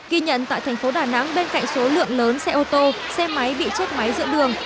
ghi nhận tại thành phố đà nẵng bên cạnh số lượng lớn xe ô tô xe máy bị chết máy giữa đường